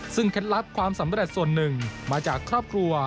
ซึ่งเคล็ดลับความสำเร็จส่วนหนึ่งมาจากครอบครัว